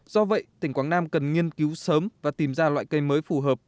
do vậy tỉnh quảng nam cần nghiên cứu sớm và tìm ra loại cây mới phù hợp